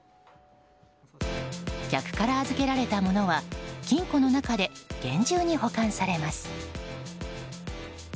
客から預けられたものは金庫の中で厳重に保管されます。